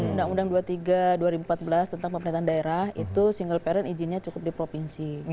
undang undang dua puluh tiga dua ribu empat belas tentang pemerintahan daerah itu single parent izinnya cukup di provinsi